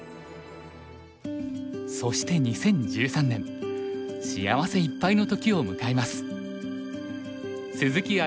そして２０１３年幸せいっぱいの時を迎えます。